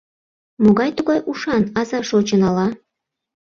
Могай-тугай ушан аза шочын ала.